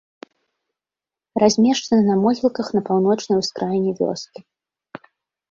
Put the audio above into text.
Размешчана на могілках на паўночнай ускраіне вёскі.